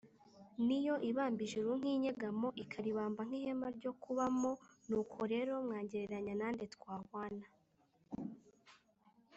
ni yo ibamba ijuru nk’inyegamo, ikaribamba nk’ihema ryo kubamonuko rero mwangereranya na nde twahwana?